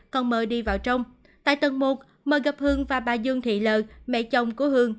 còn m h đi vào trong tại tầng một m h gặp h và bà dương thị l mẹ chồng của h